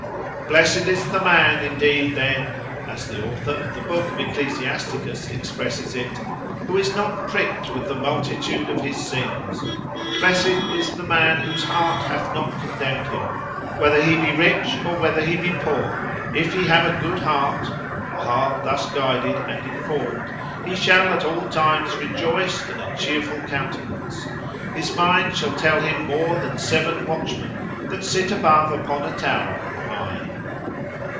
"Blessed is the man, indeed, then, as the author of the book of Ecclesiasticus expresses it, who is not pricked with the multitude of his sins: Blessed is the man "whose heart hath not condemned him; whether he be rich, or whether he be poor, if he have a good heart (a heart thus guided and informed) _he shall at all times rejoice in a chearful countenance; his mind shall tell him more than seven watch men that sit above upon a tower on high."